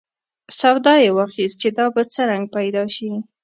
سودا یې واخیست چې دا به څه رنګ پیدا شي.